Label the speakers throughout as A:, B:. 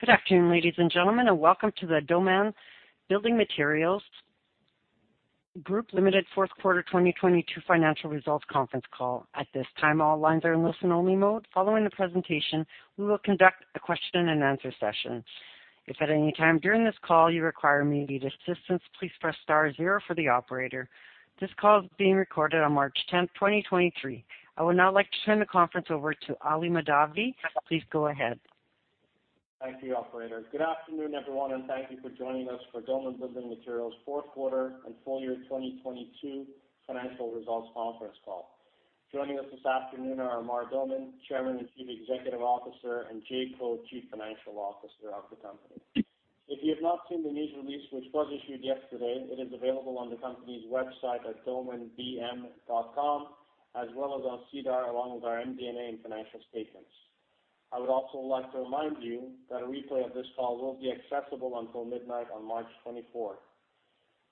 A: Good afternoon, ladies and gentlemen, welcome to the Doman Building Materials Group Ltd. fourth quarter 2022 financial results conference call. At this time, all lines are in listen-only mode. Following the presentation, we will conduct a question and answer session. If at any time during this call you require immediate assistance, please press star zero for the operator. This call is being recorded on March tenth, 2023. I would now like to turn the conference over to Ali Mahdavi. Please go ahead.
B: Thank you, operator. Good afternoon, everyone, thank you for joining us for Doman Building Materials fourth quarter and full year 2022 financial results conference call. Joining us this afternoon are Amar Doman, Chairman and Chief Executive Officer, and James Code, Chief Financial Officer of the company. If you have not seen the news release which was issued yesterday, it is available on the company's website at domanbm.com as well as on SEDAR along with our MD&A and financial statements. I would also like to remind you that a replay of this call will be accessible until midnight on March 24th.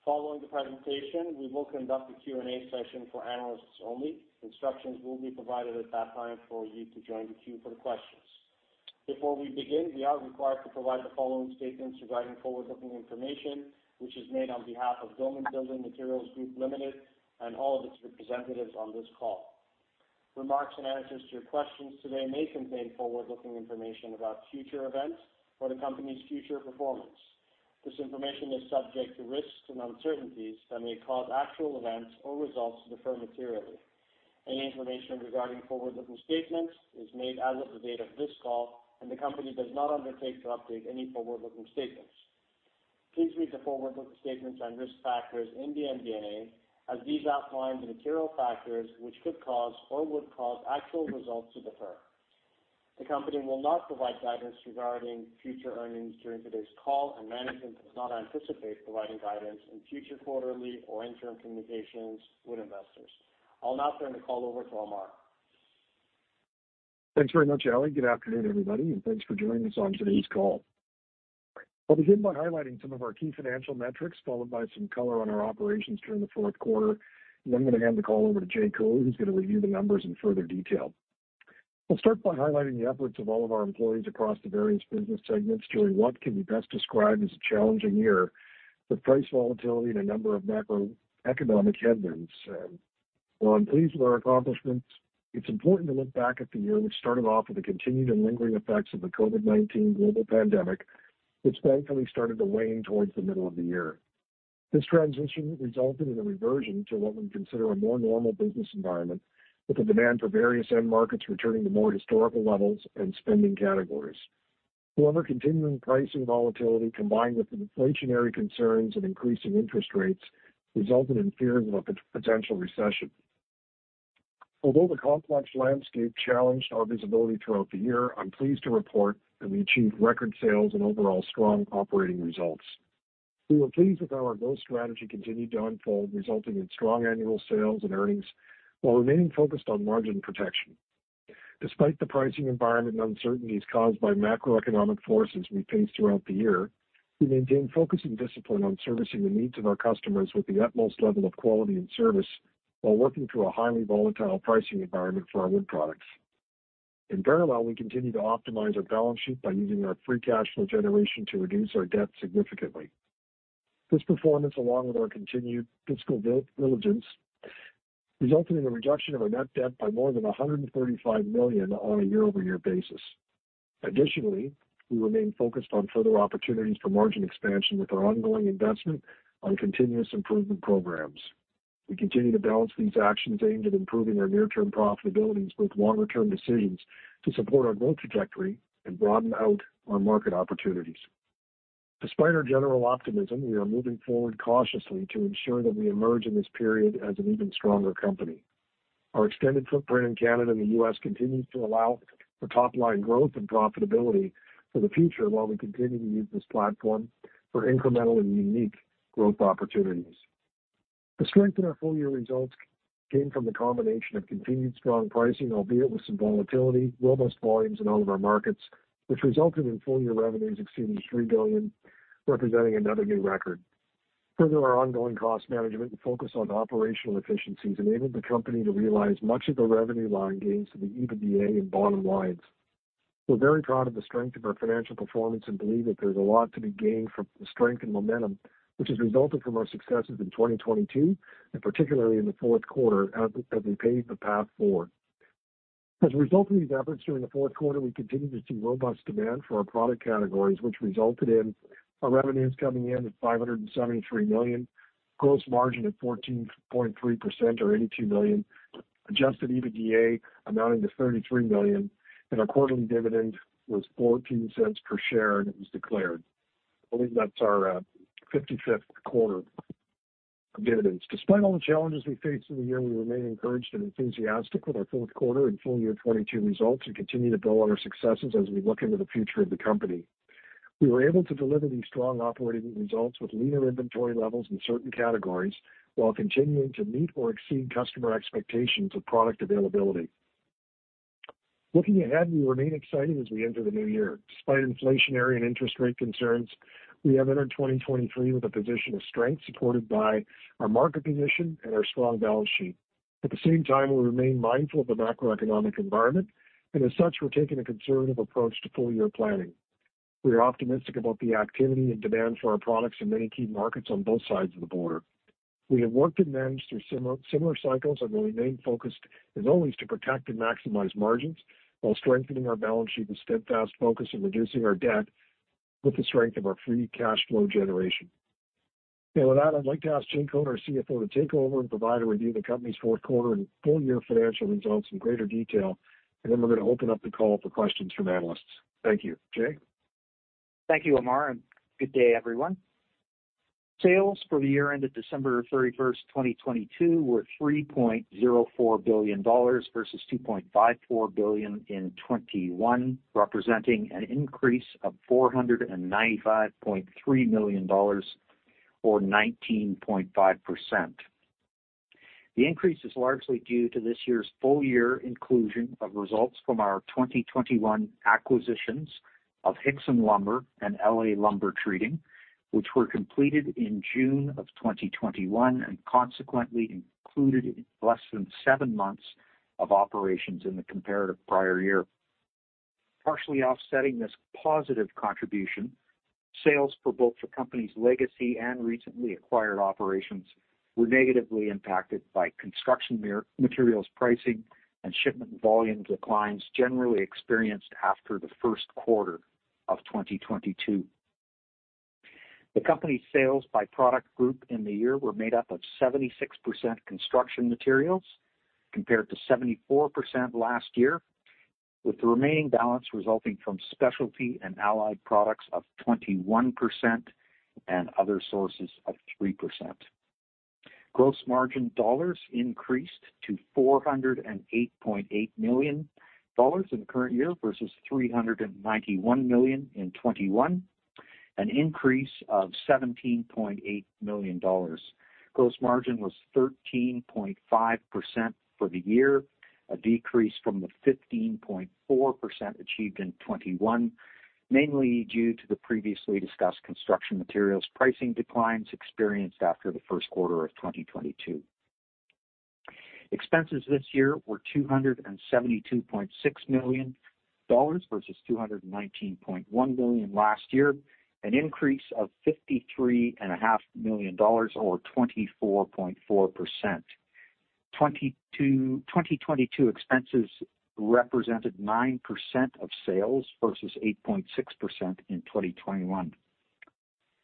B: Following the presentation, we will conduct a Q&A session for analysts only. Instructions will be provided at that time for you to join the queue for the questions. Before we begin, we are required to provide the following statements regarding forward-looking information, which is made on behalf of Doman Building Materials Group Ltd. and all of its representatives on this call. Remarks and answers to your questions today may contain forward-looking information about future events or the company's future performance. This information is subject to risks and uncertainties that may cause actual events or results to differ materially. Any information regarding forward-looking statements is made as of the date of this call, and the company does not undertake to update any forward-looking statements. Please read the forward-looking statements and risk factors in the MD&A as these outline the material factors which could cause or would cause actual results to differ. The company will not provide guidance regarding future earnings during today's call, and management does not anticipate providing guidance in future quarterly or interim communications with investors. I'll now turn the call over to Amar.
C: Thanks very much, Ali. Good afternoon, everybody, thanks for joining us on today's call. I'll begin by highlighting some of our key financial metrics, followed by some color on our operations during the fourth quarter. I'm gonna hand the call over to James Code, who's gonna review the numbers in further detail. I'll start by highlighting the efforts of all of our employees across the various business segments during what can be best described as a challenging year with price volatility and a number of macroeconomic headwinds. While I'm pleased with our accomplishments, it's important to look back at the year which started off with the continued and lingering effects of the COVID-19 global pandemic, which thankfully started to wane towards the middle of the year. This transition resulted in a reversion to what we consider a more normal business environment, with the demand for various end markets returning to more historical levels and spending categories. Continuing pricing volatility, combined with the inflationary concerns and increasing interest rates, resulted in fears of a potential recession. The complex landscape challenged our visibility throughout the year, I'm pleased to report that we achieved record sales and overall strong operating results. We were pleased with how our growth strategy continued to unfold, resulting in strong annual sales and earnings while remaining focused on margin protection. Despite the pricing environment and uncertainties caused by macroeconomic forces we faced throughout the year, we maintained focus and discipline on servicing the needs of our customers with the utmost level of quality and service while working through a highly volatile pricing environment for our wood products. In parallel, we continued to optimize our balance sheet by using our free cash flow generation to reduce our debt significantly. This performance, along with our continued fiscal diligence, resulted in a reduction of our net debt by more than 135 million on a year-over-year basis. We remain focused on further opportunities for margin expansion with our ongoing investment on continuous improvement programs. We continue to balance these actions aimed at improving our near-term profitabilities with longer-term decisions to support our growth trajectory and broaden out our market opportunities. Despite our general optimism, we are moving forward cautiously to ensure that we emerge in this period as an even stronger company. Our extended footprint in Canada and the US continues to allow for top-line growth and profitability for the future while we continue to use this platform for incremental and unique growth opportunities. The strength in our full-year results came from the combination of continued strong pricing, albeit with some volatility, robust volumes in all of our markets, which resulted in full-year revenues exceeding 3 billion, representing another new record. Our ongoing cost management and focus on operational efficiencies enabled the company to realize much of the revenue line gains to the EBITDA and bottom lines. We're very proud of the strength of our financial performance and believe that there's a lot to be gained from the strength and momentum which has resulted from our successes in 2022 and particularly in the fourth quarter as we pave the path forward. As a result of these efforts during the fourth quarter, we continued to see robust demand for our product categories, which resulted in our revenues coming in at 573 million, gross margin at 14.3% or 82 million, adjusted EBITDA amounting to 33 million, and our quarterly dividend was 0.14 per share, and it was declared. I believe that's our 55th quarter of dividends. Despite all the challenges we faced in the year, we remain encouraged and enthusiastic with our fourth quarter and full year 2022 results and continue to build on our successes as we look into the future of the company. We were able to deliver these strong operating results with leaner inventory levels in certain categories while continuing to meet or exceed customer expectations of product availability. Looking ahead, we remain excited as we enter the new year. Despite inflationary and interest rate concerns, we have entered 2023 with a position of strength supported by our market position and our strong balance sheet. At the same time, we remain mindful of the macroeconomic environment, and as such, we're taking a conservative approach to full-year planning. We are optimistic about the activity and demand for our products in many key markets on both sides of the border. We have worked and managed through similar cycles and will remain focused as always, to protect and maximize margins while strengthening our balance sheet with steadfast focus on reducing our debt with the strength of our free cash flow generation. With that, I'd like to ask Jay Code, our CFO, to take over and provide a review of the company's fourth quarter and full-year financial results in greater detail, and then we're gonna open up the call for questions from analysts. Thank you. Jay.
D: Thank you, Amar. Good day, everyone. Sales for the year ended December 31, 2022 were $3.04 billion versus $2.54 billion in 2021, representing an increase of $495.3 million or 19.5%. The increase is largely due to this year's full year inclusion of results from our 2021 acquisitions of Hixson Lumber and LA Lumber Treating, which were completed in June of 2021 and consequently included less than seven months of operations in the comparative prior year. Partially offsetting this positive contribution, sales for both the company's legacy and recently acquired operations were negatively impacted by construction materials pricing and shipment volume declines generally experienced after the first quarter of 2022. The company's sales by product group in the year were made up of 76% construction materials, compared to 74% last year, with the remaining balance resulting from specialty and allied products of 21% and other sources of 3%. Gross margin dollars increased to 408.8 million dollars in the current year versus 391 million in 2021, an increase of 17.8 million dollars. Gross margin was 13.5% for the year, a decrease from the 15.4% achieved in 2021, mainly due to the previously discussed construction materials pricing declines experienced after the first quarter of 2022. Expenses this year were $272.6 million versus $219.1 million last year, an increase of $53.5 million or 24.4%. 2022 expenses represented 9% of sales versus 8.6% in 2021.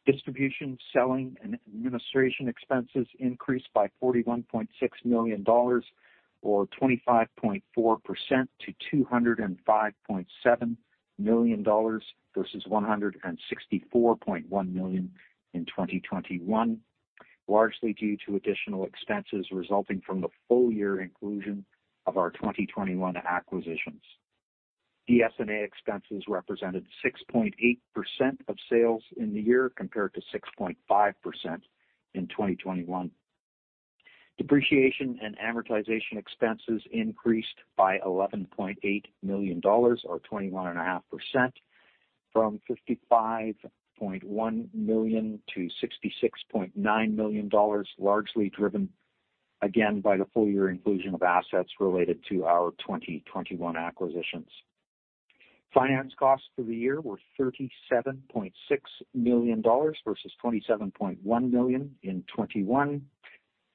D: Distribution, selling, and administration expenses increased by $41.6 million or 25.4% to $205.7 million versus $164.1 million in 2021, largely due to additional expenses resulting from the full year inclusion of our 2021 acquisitions. DS&A expenses represented 6.8% of sales in the year, compared to 6.5% in 2021. Depreciation and amortization expenses increased by 11.8 million dollars or 21.5% from 55.1 million to 66.9 million dollars, largely driven again by the full year inclusion of assets related to our 2021 acquisitions. Finance costs for the year were 37.6 million dollars versus 27.1 million in 2021,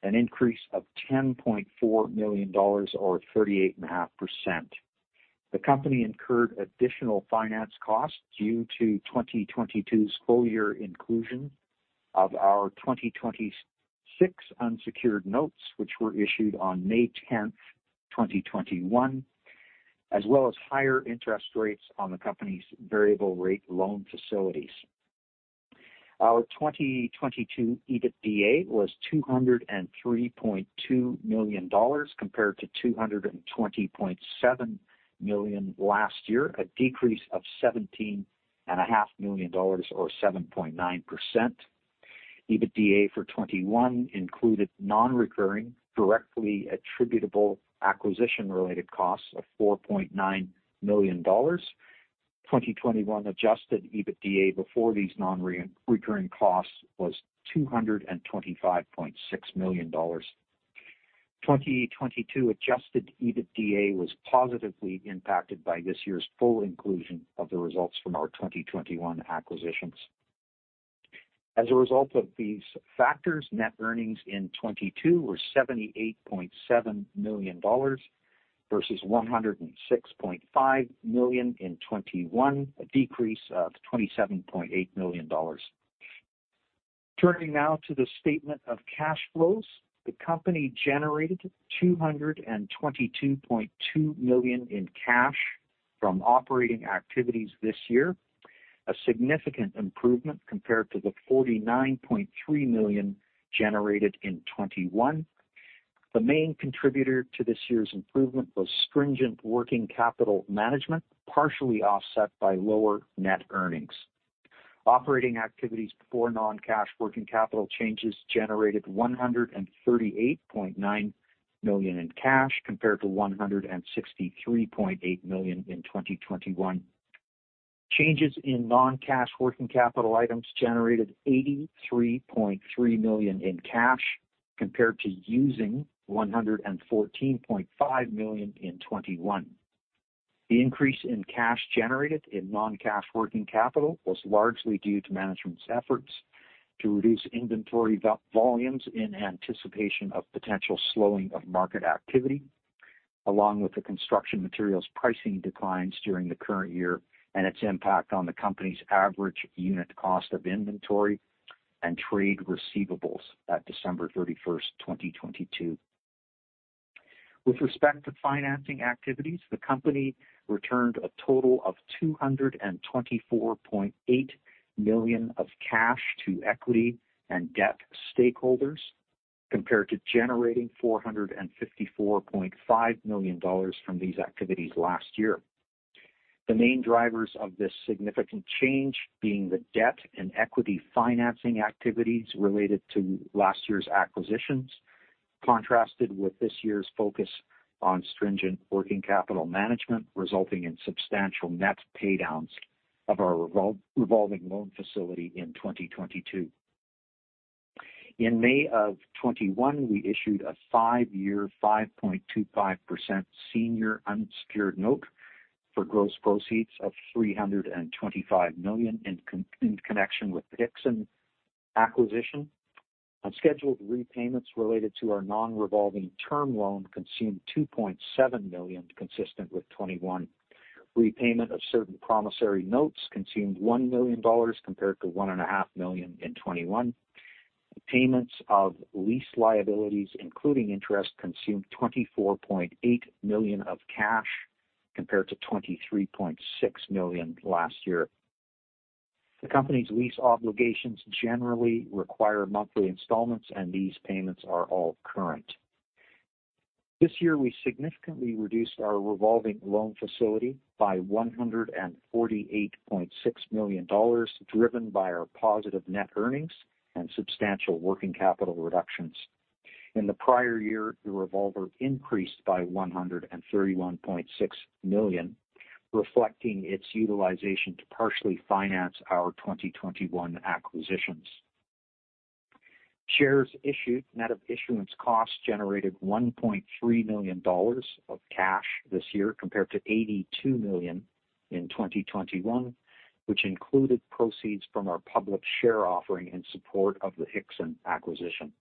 D: an increase of 10.4 million dollars or 38.5%. The company incurred additional finance costs due to 2022's full year inclusion of our 2026 unsecured notes, which were issued on May 10th, 2021, as well as higher interest rates on the company's variable rate loan facilities. Our 2022 EBITDA was 203.2 million dollars compared to 220.7 million last year, a decrease of 17.5 million dollars, or 7.9%. EBITDA for 2021 included non-recurring, directly attributable acquisition-related costs of 4.9 million dollars. 2021 adjusted EBITDA before these non-recurring costs was 225.6 million dollars. 2022 adjusted EBITDA was positively impacted by this year's full inclusion of the results from our 2021 acquisitions. As a result of these factors, net earnings in 2022 were 78.7 million dollars, versus 106.5 million in 2021, a decrease of 27.8 million dollars. Turning now to the statement of cash flows. The company generated 222.2 million in cash from operating activities this year, a significant improvement compared to the 49.3 million generated in 2021. The main contributor to this year's improvement was stringent working capital management, partially offset by lower net earnings. Operating activities before non-cash working capital changes generated 138.9 million in cash compared to 163.8 million in 2021. Changes in non-cash working capital items generated 83.3 million in cash compared to using 114.5 million in 2021. The increase in cash generated in non-cash working capital was largely due to management's efforts to reduce inventory volumes in anticipation of potential slowing of market activity, along with the construction materials pricing declines during the current year and its impact on the company's average unit cost of inventory and trade receivables at December 31st, 2022. With respect to financing activities, the company returned a total of 224.8 million of cash to equity and debt stakeholders compared to generating 454.5 million dollars from these activities last year. The main drivers of this significant change being the debt and equity financing activities related to last year's acquisitions, contrasted with this year's focus on stringent working capital management, resulting in substantial net pay downs of our revolving loan facility in 2022. In May of 2021, we issued a five-year 5.25% senior unsecured note for gross proceeds of $325 million in connection with the Hixson acquisition. Scheduled repayments related to our non-revolving term loan consumed $2.7 million, consistent with 2021. Repayment of certain promissory notes consumed $1 million compared to $1.5 million in 2021. Payments of lease liabilities, including interest, consumed $24.8 million of cash compared to $23.6 million last year. The company's lease obligations generally require monthly installments, these payments are all current. This year, we significantly reduced our revolving loan facility by $148.6 million, driven by our positive net earnings and substantial working capital reductions. In the prior year, the revolver increased by 131.6 million, reflecting its utilization to partially finance our 2021 acquisitions. Shares issued net of issuance costs generated 1.3 million dollars of cash this year compared to 82 million in 2021, which included proceeds from our public share offering in support of the Hixson acquisition.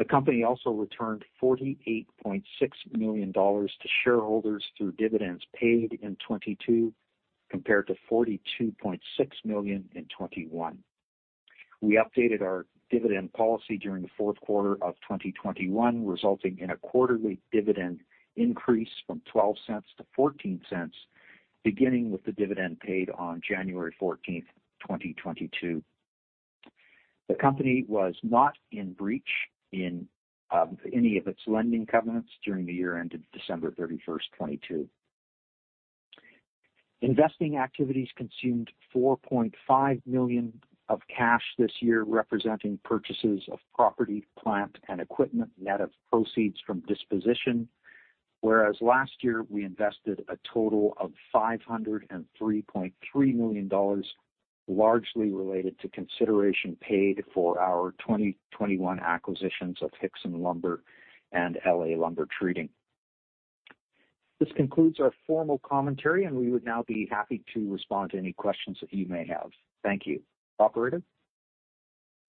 D: The company also returned 48.6 million dollars to shareholders through dividends paid in 2022 compared to 42.6 million in 2021. We updated our dividend policy during the fourth quarter of 2021, resulting in a quarterly dividend increase from 0.12 to 0.14, beginning with the dividend paid on January 14, 2022. The company was not in breach in any of its lending covenants during the year ended December 31, 2022. Investing activities consumed 4.5 million of cash this year, representing purchases of property, plant and equipment, net of proceeds from disposition. Whereas last year, we invested a total of 503.3 million dollars, largely related to consideration paid for our 2021 acquisitions of Hixson Lumber and LA Lumber Treating. This concludes our formal commentary, and we would now be happy to respond to any questions that you may have. Thank you. Operator?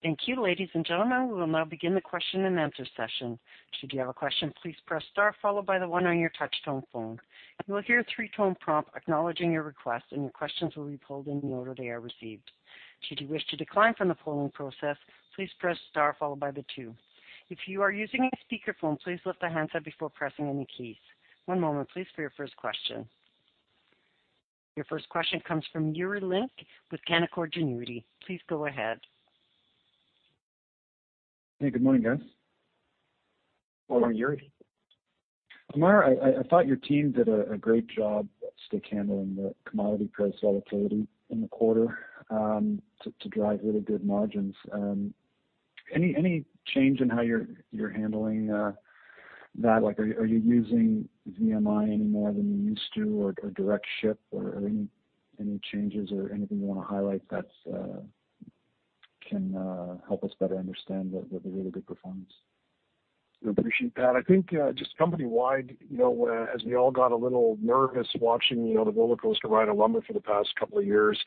A: Thank you, ladies and gentlemen. We will now begin the question-and-answer session. Should you have a question, please press star followed by the one on your touch-tone phone. You will hear a three-tone prompt acknowledging your request, and your questions will be pulled in the order they are received. Should you wish to decline from the polling process, please press star followed by the two. If you are using a speakerphone, please lift the handset before pressing any keys. One moment please for your first question. Your first question comes from Yuri Lynk with Canaccord Genuity. Please go ahead.
E: Hey, good morning, guys.
D: Morning, Yuri.
E: Amar, I thought your team did a great job stick handling the commodity price volatility in the quarter to drive really good margins. Any change in how you're handling that? Like, are you using VMI any more than you used to or direct ship or any changes or anything you wanna highlight that can help us better understand the really good performance?
C: I appreciate that. I think, just company wide, you know, as we all got a little nervous watching, you know, the rollercoaster ride of lumber for the past couple of years,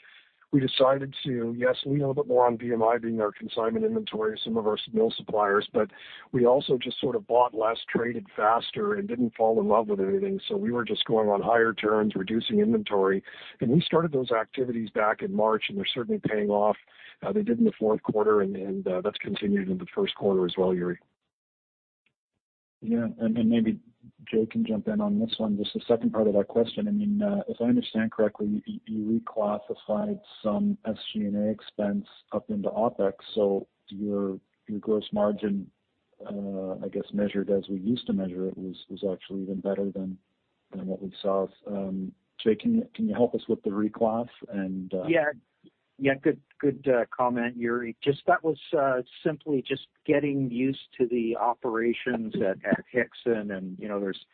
C: we decided to, yes, lean a little bit more on VMI being our consignment inventory, some of our mill suppliers, but we also just sort of bought less, traded faster, and didn't fall in love with anything. We were just going on higher turns, reducing inventory. We started those activities back in March, and they're certainly paying off. They did in the fourth quarter and that's continued into the first quarter as well, Yuri.
E: Yeah. Maybe Jay can jump in on this one, just the second part of that question. I mean, if I understand correctly, you reclassified some SG&A expense up into OpEx, so your gross margin, I guess measured as we used to measure it was actually even better than what we saw. Jay, can you help us with the reclass?
D: Yeah. Good comment, Yuri. Just that was simply just getting used to the operations at Hixson and, you know, there's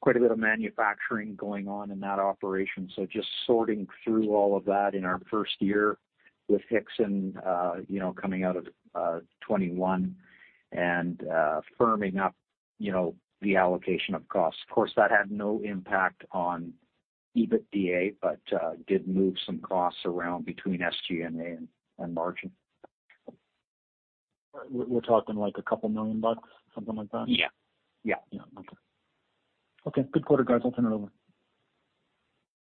D: quite a bit of manufacturing going on in that operation. Just sorting through all of that in our first year with Hixson, you know, coming out of 2021 and firming up, you know, the allocation of costs. Of course, that had no impact on EBITDA, but did move some costs around between SG&A and margin.
C: We're talking like a couple million bucks, something like that?
D: Yeah. Yeah.
E: Yeah. Okay. Okay, good quarter, guys. I'll turn it over.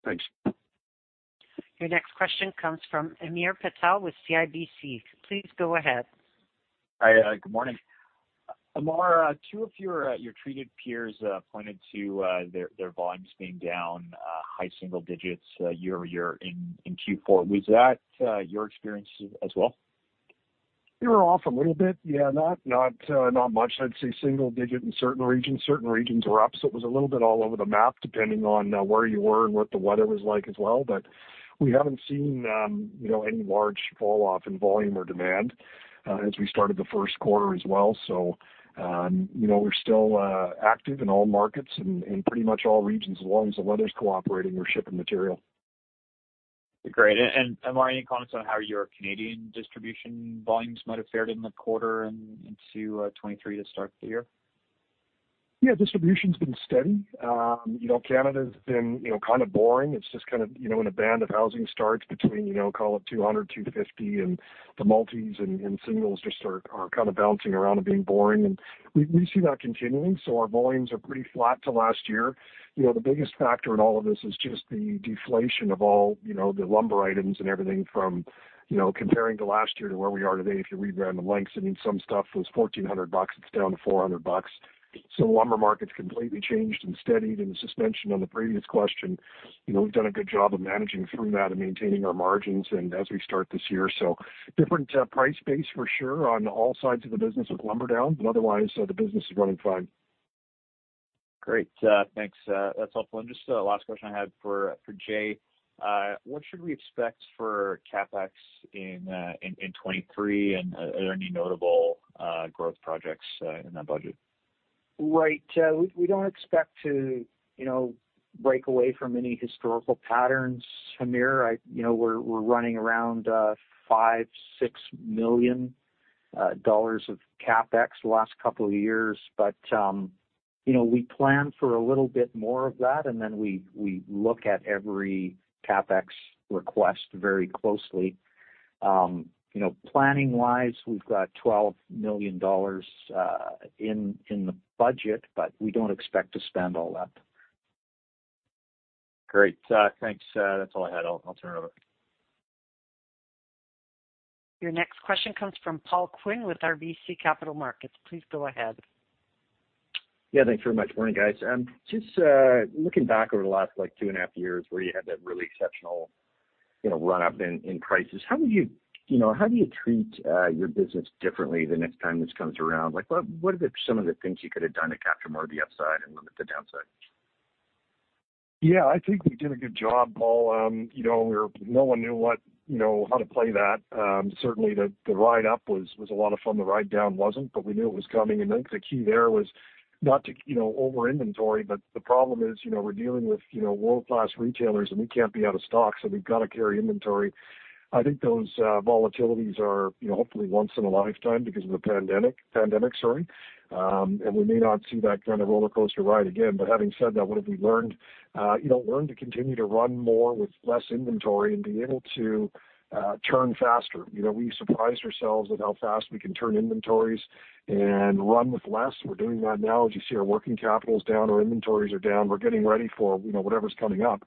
D: Thanks.
A: Your next question comes from Hamir Patel with CIBC. Please go ahead.
F: Hi, good morning. Amar, two of your your treated peers pointed to their volumes being down high single digits year-over-year in Q4. Was that your experience as well?
C: We were off a little bit, yeah. Not much. I'd say single-digit in certain regions. Certain regions were up, so it was a little bit all over the map, depending on where you were and what the weather was like as well. We haven't seen, you know, any large fall off in volume or demand as we started the first quarter as well. You know, we're still active in all markets and in pretty much all regions. As long as the weather's cooperating, we're shipping material.
F: Great. Amar, any comments on how your Canadian distribution volumes might have fared in the quarter and into 2023 to start the year?
C: Yeah, distribution's been steady. You know, Canada's been, you know, kind of boring. It's just kind of, you know, in a band of housing starts between, you know, call it 200, 250, and the multis and singles just are kind of bouncing around and being boring. We see that continuing, so our volumes are pretty flat to last year. You know, the biggest factor in all of this is just the deflation of all, you know, the lumber items and everything from, you know, comparing to last year to where we are today. If you read Random Lengths, I mean, some stuff was 1,400 bucks, it's down to 400 bucks. The lumber market's completely changed and steadied. As mentioned on the previous question, you know, we've done a good job of managing through that and maintaining our margins and as we start this year. Different price base for sure on all sides of the business with lumber down, but otherwise the business is running fine.
F: Great. Thanks. That's helpful. Just, last question I had for Jay. What should we expect for CapEx in 2023? Are there any notable growth projects in that budget?
D: Right, we don't expect to, you know, break away from any historical patterns, Hamir. You know, we're running around 5 million-6 million dollars of CapEx the last couple of years. You know, we plan for a little bit more of that, and then we look at every CapEx request very closely. You know, planning-wise, we've got 12 million dollars in the budget, but we don't expect to spend all that.
F: Great. Thanks. That's all I had. I'll turn it over.
A: Your next question comes from Paul Quinn with RBC Capital Markets. Please go ahead.
G: Yeah, thanks very much. Morning, guys. Just looking back over the last, like, two and a half years where you had that really exceptional, you know, run-up in prices, you know, how do you treat your business differently the next time this comes around? Like, what are some of the things you could have done to capture more of the upside and limit the downside?
C: Yeah, I think we did a good job, Paul. You know, we were no one knew what, you know, how to play that. Certainly the ride up was a lot of fun. The ride down wasn't, but we knew it was coming. I think the key there was not to, you know, over-inventory, but the problem is, you know, we're dealing with, you know, world-class retailers, and we can't be out of stock, so we've got to carry inventory. I think those volatilities are, you know, hopefully once in a lifetime because of the pandemic, sorry. We may not see that kind of rollercoaster ride again. Having said that, what have we learned? You know, learn to continue to run more with less inventory and be able to turn faster. You know, we surprised ourselves with how fast we can turn inventories and run with less. We're doing that now. As you see, our working capital is down, our inventories are down. We're getting ready for, you know, whatever's coming up.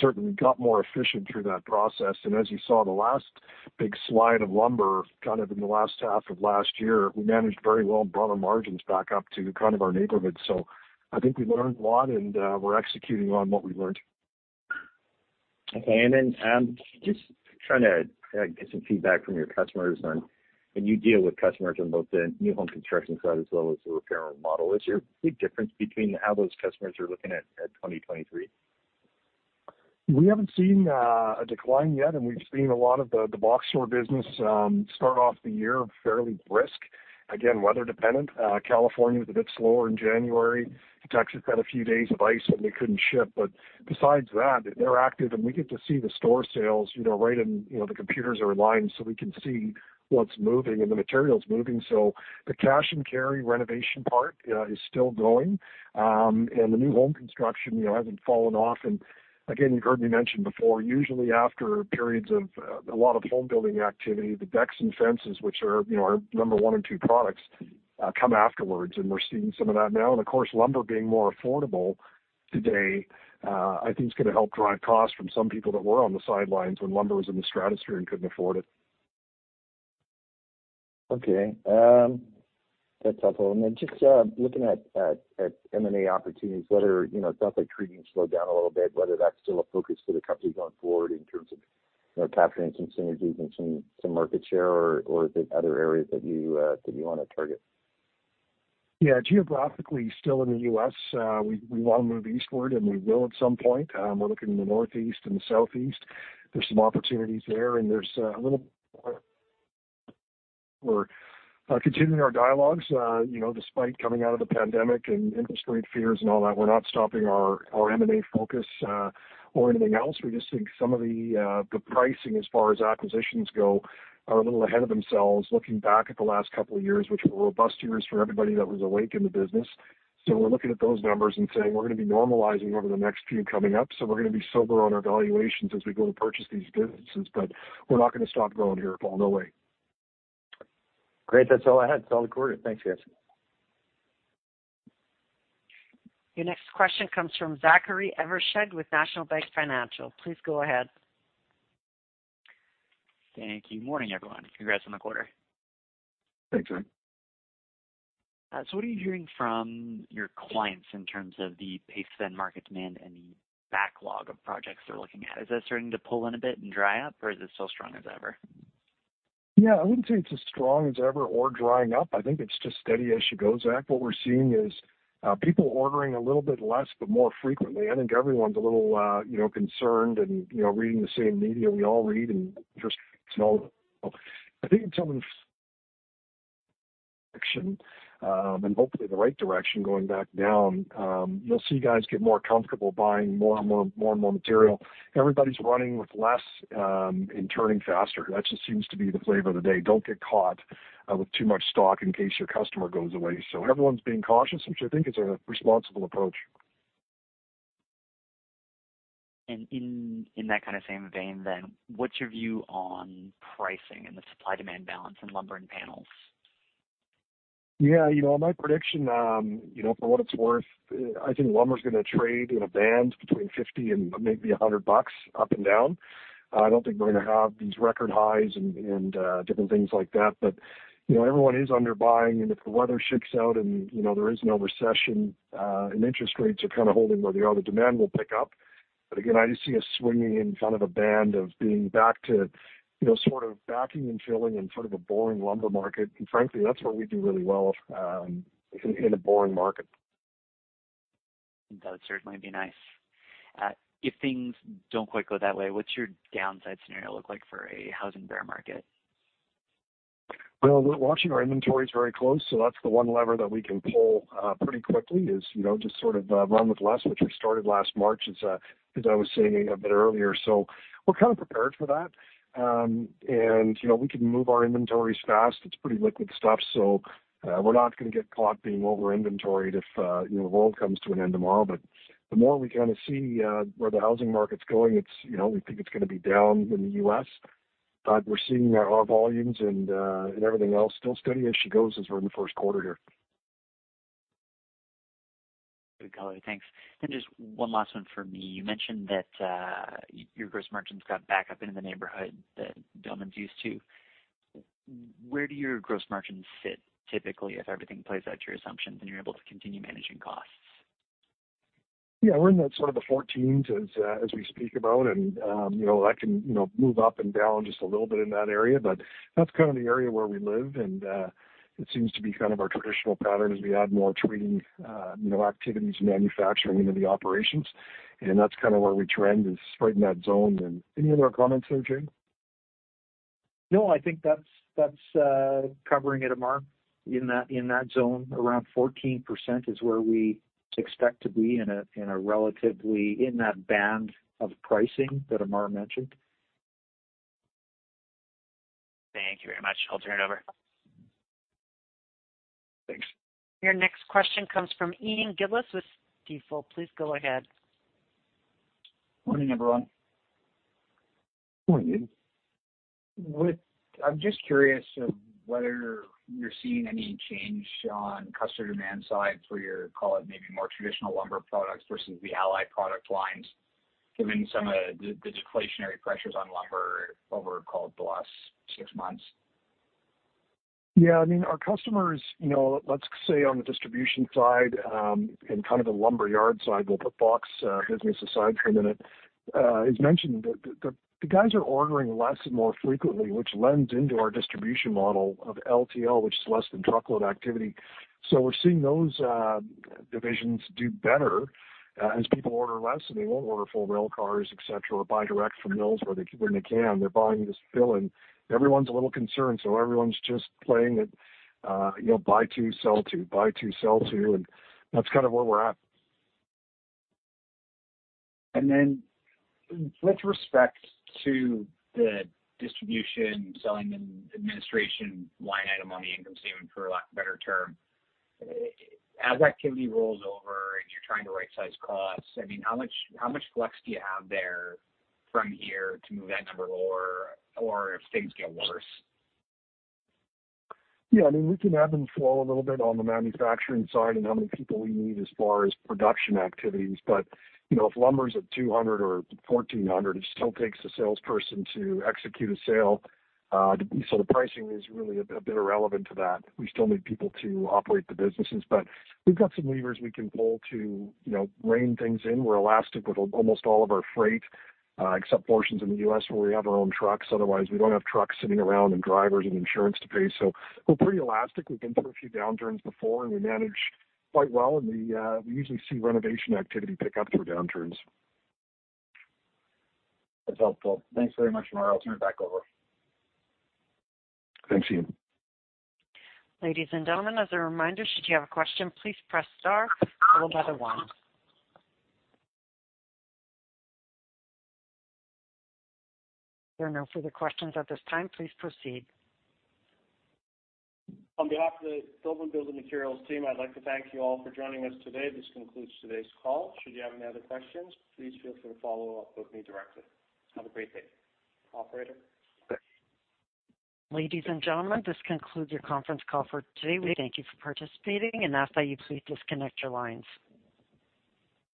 C: Certainly we got more efficient through that process. As you saw, the last big slide of lumber, kind of in the last half of last year, we managed very well and brought our margins back up to kind of our neighborhood. I think we learned a lot, and we're executing on what we learned.
G: Okay. Just trying to get some feedback from your customers on. You deal with customers on both the new home construction side as well as the repair and remodel. Is there a big difference between how those customers are looking at 2023?
C: We haven't seen a decline yet. We've seen a lot of the box store business start off the year fairly brisk. Again, weather dependent. California was a bit slower in January. Texas had a few days of ice when we couldn't ship. Besides that, they're active. We get to see the store sales, you know, the computers are aligned, so we can see what's moving and the material's moving. The cash and carry renovation part is still going. The new home construction, you know, hasn't fallen off. Again, you've heard me mention before, usually after periods of a lot of home building activity, the decks and fences, which are, you know, our number one and two products, come afterwards, and we're seeing some of that now. Of course, lumber being more affordable today, I think is gonna help drive costs from some people that were on the sidelines when lumber was in the stratosphere and couldn't afford it.
G: Okay. That's helpful. Just looking at M&A opportunities, whether, you know, it sounds like treating slowed down a little bit, whether that's still a focus for the company going forward in terms of, you know, capturing some synergies and some market share, or are there other areas that you, that you wanna target?
C: Yeah, geographically still in the US, we wanna move eastward and we will at some point. We're looking in the Northeast and the Southeast. There's some opportunities there. We're continuing our dialogues, you know, despite coming out of the pandemic and interest rate fears and all that, we're not stopping our M&A focus or anything else. We just think some of the pricing as far as acquisitions go are a little ahead of themselves, looking back at the last couple of years, which were robust years for everybody that was awake in the business. We're looking at those numbers and saying we're gonna be normalizing over the next few coming up, so we're gonna be sober on our valuations as we go to purchase these businesses. We're not gonna stop growing here, Paul. No way.
G: Great. That's all I had. Solid quarter. Thanks, guys.
A: Your next question comes from Zachary Evershed with National Bank Financial. Please go ahead.
H: Thank you. Morning, everyone. Congrats on the quarter.
C: Thanks, Zach.
H: What are you hearing from your clients in terms of the pace of end market demand and the backlog of projects they're looking at? Is that starting to pull in a bit and dry up, or is it still strong as ever?
C: Yeah, I wouldn't say it's as strong as ever or drying up. I think it's just steady as she goes, Zach. What we're seeing is people ordering a little bit less, but more frequently. I think everyone's a little, you know, concerned and, you know, reading the same media we all read and just, you know. I think in some action, and hopefully the right direction going back down, you'll see guys get more comfortable buying more and more material. Everybody's running with less and turning faster. That just seems to be the flavor of the day. Don't get caught with too much stock in case your customer goes away. Everyone's being cautious, which I think is a responsible approach.
H: In that kind of same vein then, what's your view on pricing and the supply-demand balance in lumber and panels?
C: Yeah, you know, my prediction, you know, for what it's worth, I think lumber's gonna trade in a band between $50 and maybe $100 up and down. I don't think we're gonna have these record highs and different things like that. You know, everyone is under buying, and if the weather shakes out and, you know, there is no recession, and interest rates are kinda holding where they are, the demand will pick up. Again, I just see us swinging in kind of a band of being back to, you know, sort of backing and filling in sort of a boring lumber market. Frankly, that's where we do really well, in a boring market.
H: That would certainly be nice. If things don't quite go that way, what's your downside scenario look like for a housing bear market?
C: Well, we're watching our inventories very close, that's the one lever that we can pull pretty quickly is, you know, just sort of run with less, which we started last March as I was saying a bit earlier. We're kind of prepared for that. You know, we can move our inventories fast. It's pretty liquid stuff, so we're not gonna get caught being over inventoried if, you know, the world comes to an end tomorrow. The more we kinda see where the housing market's going, it's, you know, we think it's gonna be down in the US, but we're seeing our volumes and everything else still steady as she goes as we're in the first quarter here.
H: Good color. Thanks. Just one last one from me. You mentioned that your gross margins got back up into the neighborhood that Doman's used to. Where do your gross margins sit typically, if everything plays out to your assumptions and you're able to continue managing costs?
C: Yeah, we're in that sort of the 14s as we speak about, you know, that can, you know, move up and down just a little bit in that area. That's kind of the area where we live, and it seems to be kind of our traditional pattern as we add more trading, you know, activities and manufacturing into the operations. That's kind of where we trend is right in that zone. Any other comments there, Jay?
D: No, I think that's covering it, Amar. In that zone around 14% is where we expect to be in a relatively in that band of pricing that Amar mentioned.
H: Thank you very much. I'll turn it over.
C: Thanks.
A: Your next question comes from Ian Gillies with Stifel. Please go ahead.
I: Morning, everyone.
C: Morning, Ian.
I: I'm just curious of whether you're seeing any change on customer demand side for your, call it, maybe more traditional lumber products versus the ally product lines, given some of the deflationary pressures on lumber over, call it, the last six months.
C: Yeah. I mean, our customers, you know, let's say on the distribution side, and kind of the lumber yard side, we'll put box business aside for a minute, as mentioned, the guys are ordering less and more frequently, which lends into our distribution model of LTL, which is less than truckload activity. We're seeing those divisions do better as people order less, and they won't order full rail cars, et cetera, or buy direct from mills where they, where they can. They're buying this fill, and everyone's a little concerned, everyone's just playing it, you know, buy two, sell two, buy two, sell two, and that's kind of where we're at.
I: With respect to the Distribution, Selling, and Administration line item on the income statement for a lack of a better term, as activity rolls over and you're trying to right-size costs, I mean, how much flex do you have there from here to move that number or if things get worse?
C: Yeah. I mean, we can ebb and flow a little bit on the manufacturing side and how many people we need as far as production activities. You know, if lumber's at $200 or $1,400, it still takes a salesperson to execute a sale. The pricing is really a bit irrelevant to that. We still need people to operate the businesses. We've got some levers we can pull to, you know, rein things in. We're elastic with almost all of our freight, except portions in the US where we have our own trucks. Otherwise, we don't have trucks sitting around and drivers and insurance to pay. We're pretty elastic. We've been through a few downturns before, and we manage quite well, and we usually see renovation activity pick up through downturns.
I: That's helpful. Thanks very much, Amar. I'll turn it back over.
C: Thanks, Ian.
A: Ladies and gentlemen, as a reminder, should you have a question, please press star followed by the one. There are no further questions at this time. Please proceed.
C: On behalf of the Doman Building Materials team, I'd like to thank you all for joining us today. This concludes today's call. Should you have any other questions, please feel free to follow up with me directly. Have a great day. Operator?
A: Ladies and gentlemen, this concludes your conference call for today. We thank you for participating and ask that you please disconnect your lines.